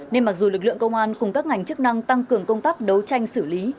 nên mặc dù lực lượng công an cùng các ngành chức năng tăng cường công tác đấu tranh xử lý